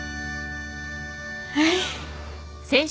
はい。